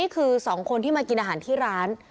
คือ๒คนที่มากินอาหารที่ร้าน